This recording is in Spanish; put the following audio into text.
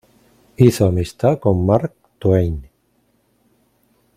Hizo amistad con Mark Twain.